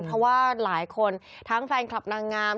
เพราะว่าหลายคนทั้งแฟนคลับนางงาม